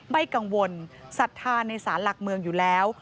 ไม่กังวลศรัทธาในศาลหลักเมืองอยู่แล้ว